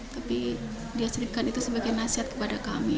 tapi dia ceritakan itu sebagai nasihat kepada kami